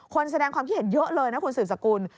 แสดงความคิดเห็นเยอะเลยนะคุณสืบสกุล